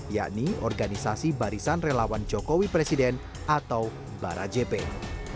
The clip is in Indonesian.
yakni organisasi barisan relawan jokowi presiden atau barajepen